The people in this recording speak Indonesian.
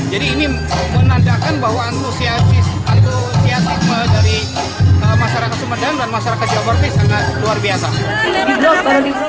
jadi ini menandakan bahwa antusiasisme dari masyarakat sumedang dan masyarakat jawa barat sangat luar biasa